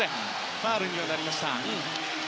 ファウルになりました。